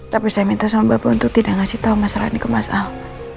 tapi saya minta sama bapak untuk tidak ngasih tahu masalah ini ke mas ahok